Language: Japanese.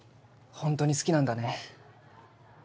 ホントに好きなんだね。